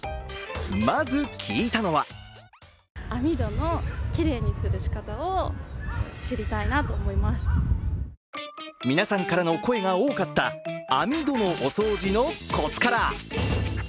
まず聞いたのは皆さんからの声が多かった網戸のお掃除のコツから。